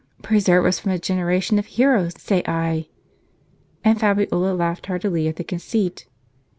Preserve us from a generation of heroes, say I." And Fabiola laughed heartily at the conceit.